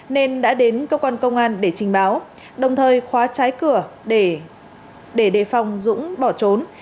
nên đã đến cơ quan công an để trình báo đồng thời khóa trái cửa để đề phòng dũng bỏ trốn